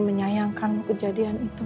menyayangkan kejadian itu